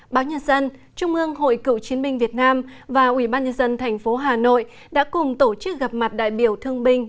báo nhân dân trung ương hội cựu chiến binh việt nam và ủy ban nhân dân thành phố hà nội đã cùng tổ chức gặp mặt đại biểu thương binh